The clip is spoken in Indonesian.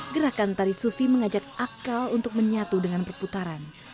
gerakan tari sufi mengajak akal untuk menyatu dengan perputaran